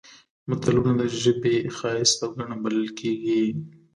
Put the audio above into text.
متلونه د ژبې ښایست او ګاڼه بلل کېږي